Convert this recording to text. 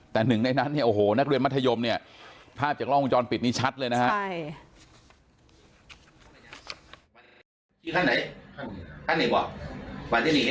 แต่หนึ่งในนั้นเนี่ยโอ้โหนักเรียนมัธยมเนี่ยภาพจากล้องวงจรปิดนี้ชัดเลยนะครับ